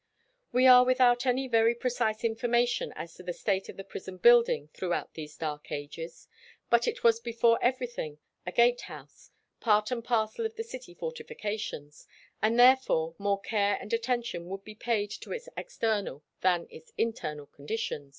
We are without any very precise information as to the state of the prison building throughout these dark ages. But it was before everything a gate house, part and parcel of the city fortifications, and therefore more care and attention would be paid to its external than its internal condition.